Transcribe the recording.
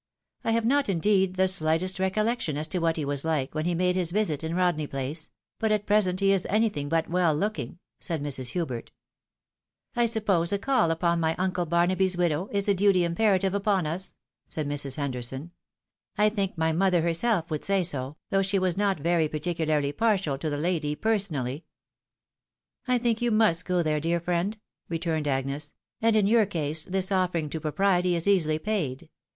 I have not, indeed, the shghtest recollection as to what he was like, when he made his visit in Rodney place ; but at present he is anything but well looking," said Mrs. Hubert. " I suppose a call upon my uncle Barnaby's widow is a duty " imperative upon us ?" said Mrs. Henderson. " I think my mother herself would say so, though she was not very parti cularly partial to the lady personally." " I think you must go there, dear friend," returned Agnes, " and in your case this offering to propriety is easily paid.